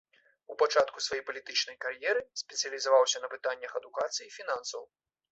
У пачатку сваёй палітычнай кар'еры спецыялізаваўся на пытаннях адукацыі і фінансаў.